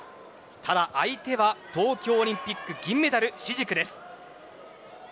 ただ相手は、東京オリンピック銀メダル、シジクです。